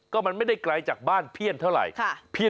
ก็มันไม่ได้ไกลจากบ้านเพี้ยนเท่าไหร่